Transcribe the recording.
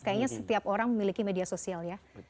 kayaknya setiap orang memiliki media sosial ya